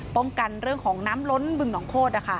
ป้องกันเรื่องของน้ำล้นบึงหนองโคศ